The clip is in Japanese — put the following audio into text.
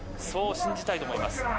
そう信じたいと思います。